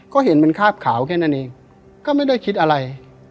ก็เห็นเป็นคราบขาวแค่นั้นเองก็ไม่ได้คิดอะไร